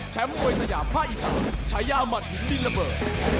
แชมป์มวยสยามภาษีอีสามชายาหมัดมิดละเบิก